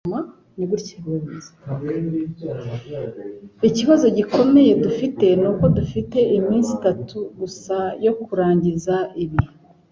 Ikibazo gikomeye dufite nuko dufite iminsi itatu gusa yo kurangiza ibi.